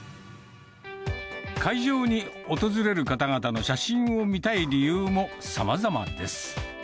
会場に訪れる方々の写真を見たい理由もさまざまです。